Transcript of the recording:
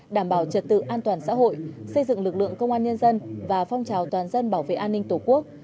đảm bảo trật tự an toàn xã hội xây dựng lực lượng công an nhân dân và phong trào toàn dân bảo vệ an ninh tổ quốc